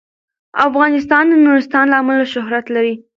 افغانستان د نورستان له امله شهرت لري.